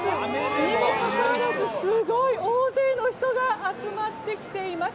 にもかかわらずすごい大勢の人が集まってきています。